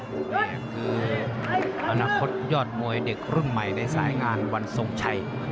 มุมแดงคืออนาคตยอดมวยเด็กรุ่นใหม่ในสายงานวันทรงชัย